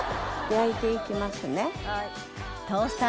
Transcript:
焼いて行きますね。